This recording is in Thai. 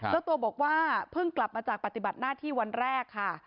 เจ้าตัวบอกว่าเพิ่งกลับมาจากปฏิบัติหน้าที่วันแรกค่ะ